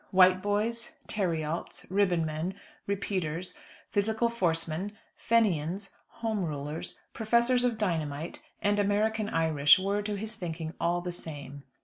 Whiteboys, Terryalts, Ribbonmen, Repeaters, Physical Forcemen, Fenians, Home Rulers, Professors of Dynamite, and American Irish, were, to his thinking, all the same.